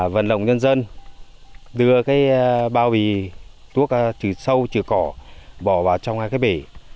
vận động nhân dân đưa cái bao bì thuốc trừ sâu trừ cỏ bỏ vào trong cái bể